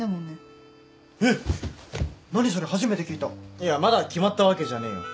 いやまだ決まったわけじゃねえよ。